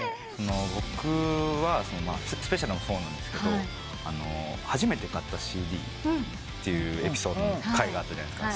僕はスペシャルもそうなんですけど「初めて買ったＣＤ」というエピソードの回があったじゃないですか。